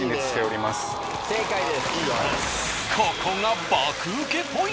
ここが。